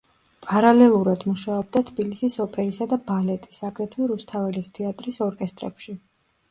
პარალელურად მუშაობდა თბილისის ოპერისა და ბალეტის, აგრეთვე რუსთაველის თეატრის ორკესტრებში.